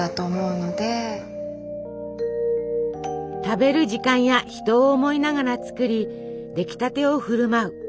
食べる時間や人を思いながら作りできたてを振る舞う。